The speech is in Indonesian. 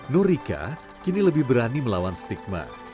nurika kini lebih berani melawan stigma